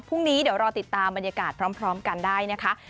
พรุ่งนี้เดี๋ยวรอติดตามบรรยากาศพร้อมกันได้นะคะ